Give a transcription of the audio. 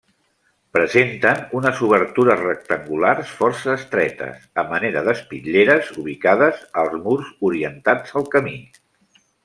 Presenten unes obertures rectangulars força estretes, a manera d'espitlleres, ubicades als murs orientats al camí.